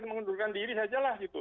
mengundurkan diri sajalah